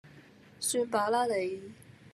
算罷啦你